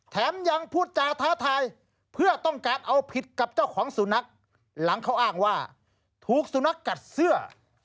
แถมยังพูดจาท้าทายเพื่อต้องการเอาผิดกับเจ้าของสุนัขหลังเขาอ้างว่าถูกสุนัขกัดเสื้อ